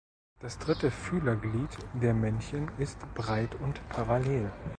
Das dritte Fühlerglied der Männchen ist breit und parallel.